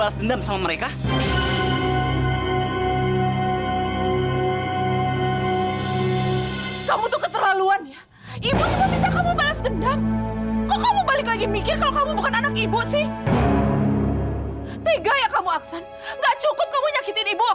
sampai jumpa di video selanjutnya